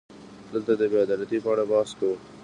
دلته د بې عدالتۍ په اړه بحث کوو.